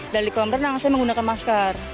dari kolam renang saya menggunakan masker